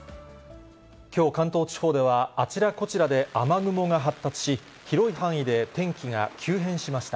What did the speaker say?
きょう、関東地方ではあちらこちらで雨雲が発達し、広い範囲で天気が急変しました。